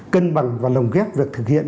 cân bằng và lồng ghép việc thực hiện